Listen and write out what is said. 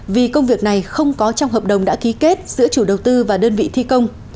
vì công việc này không có trong hợp đồng đã ký kết giữa chủ đầu tư và đơn vị thi công